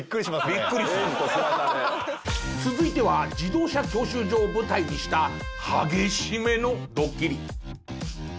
続いては自動車教習所を舞台にした激しめのドッキリ。